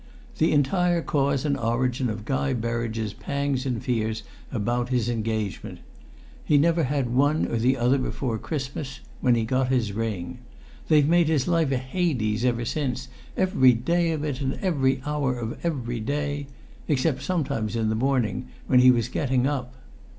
"The entire cause and origin of Guy Berridge's pangs and fears about his engagement. He never had one or the other before Christmas when he got his ring. They've made his life a Hades ever since, every day of it and every hour of every day, except sometimes in the morning when he was getting up.